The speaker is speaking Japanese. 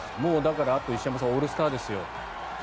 あと石山さんオールスターですよ。